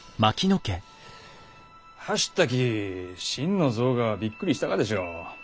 走ったき心の臓がびっくりしたがでしょう。